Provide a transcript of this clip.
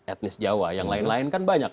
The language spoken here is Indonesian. etnis jawa yang lain lain kan banyak